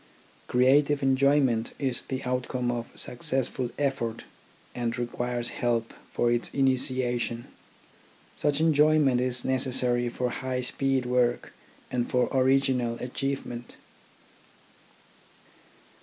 Creative enjoyment is the outcome of successful effort and requires help for its initiation. Such enjoyment is necessary for high speed work and for original achievement.